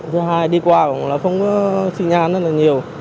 thứ hai đi qua cũng là không có xin nhạn rất là nhiều